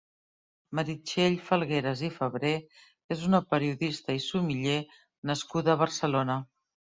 Meritxell Falgueras i Febrer és una periodista i sumiller nascuda a Barcelona.